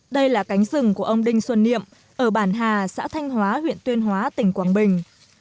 đây là cánh rừng của ông đinh xuân niệm ở bản hà xã thanh hóa huyện tuyên hóa tỉnh quảng bình